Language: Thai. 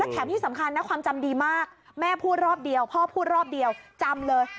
แถมที่สำคัญนะความจำดีมากแม่พูดรอบเดียวพ่อพูดรอบเดียวจำเลย